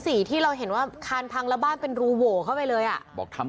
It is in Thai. ว้าวถ้าเกิดเหล็กมันล่วงลงมานี่จะทำยังไงเนอะ